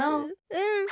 うん。